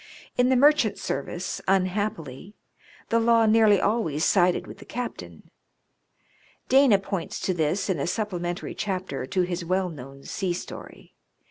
In the merchant service, unhappily, the law nearly always sided with the captain. Dana points to this in a supplementary chapter to his well known sea story.